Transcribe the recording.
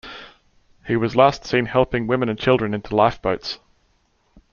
He was last seen helping women and children into lifeboats.